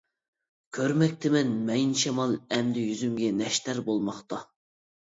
كۆرمەكتىمەن، مەيىن شامال ئەمدى يۈزۈمگە نەشتەر بولماقتا.